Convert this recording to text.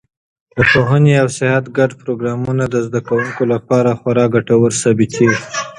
د پوهنې او سیاحت ګډ پروګرامونه د زده کوونکو لپاره خورا ګټور ثابتېږي.